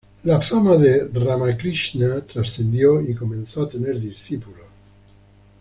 La fama de Ramakrishna trascendió y comenzó a tener discípulos.